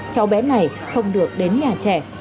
cháu bé này không được đến nhà trẻ